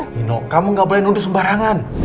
nino kamu gak boleh nundur sembarangan